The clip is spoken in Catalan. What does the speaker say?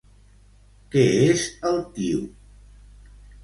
Què és el Tío?